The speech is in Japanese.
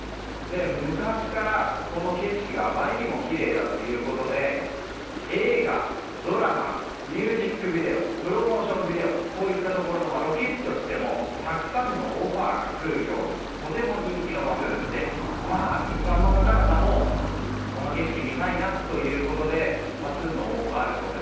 昔から、この景色があまりにもきれいだということで映画、ドラマミュージックビデオプロモーションビデオこういったもののロケ地としてもたくさんのオファーが来るようなとても人気の場所でして一般の方々もこの景色を見たいなということで多数の応募があるそうです。